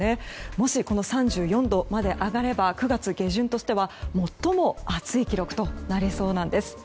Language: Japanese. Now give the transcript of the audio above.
もし、３４度まで上がれば９月下旬としては最も暑い記録となりそうなんです。